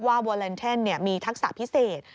วอเลนเทนมีทักษะพิเศษ